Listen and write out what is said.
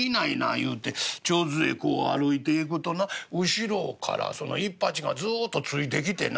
言うて手水へ歩いていくとな後ろからその一八がずっとついてきてな